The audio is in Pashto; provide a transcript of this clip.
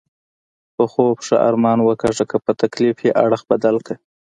په خوب ښه ارمان وکاږه، که په تکلیف یې اړخ بدل کړه.